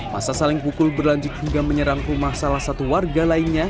masa saling pukul berlanjut hingga menyerang rumah salah satu warga lainnya